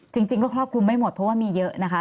จริงก็ครอบคลุมไม่หมดเพราะว่ามีเยอะนะคะ